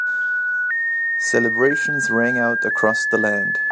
Celebrations rang out across the land.